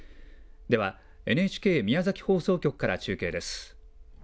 では、ＮＨＫ宮崎放送局から中継です。